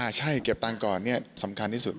ใช่เก็บตังค์ก่อนสำคัญที่สุด